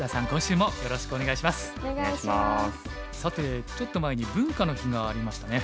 さてちょっと前に文化の日がありましたね。